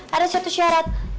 ada satu syarat